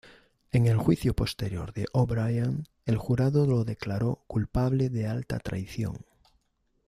En el juicio posterior de O'Brien, el jurado lo declaró culpable de alta traición.